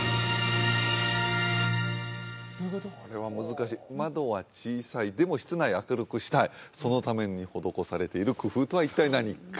これは難しい窓は小さいでも室内は明るくしたいそのために施されている工夫とは一体何か？